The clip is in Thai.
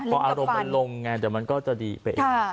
พออารมณ์ลงไงแต่มันก็จะดีไป